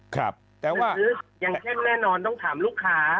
ครับแต่ว่าอย่างเข้มแน่นอนต้องถามลูกค้า